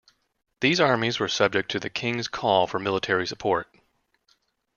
These armies were subject to the king's call for military support.